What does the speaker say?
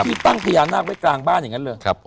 ที่ตั้งพญานาคไว้กลางบ้านอย่างนั้นเลย